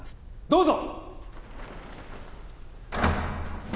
どうぞ！